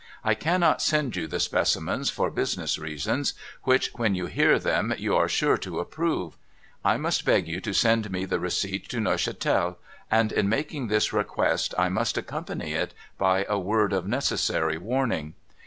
I cannot send you the specimens for business reasons, which, when you hear them, you are sure to approve. I must beg you to send me the receipt to Neuchatel —■ and, in making this request, I must accompany it by a word of necessary warning.